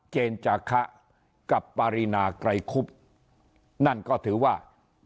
เจนจาคะกับปารีนาไกรคุบนั่นก็ถือว่า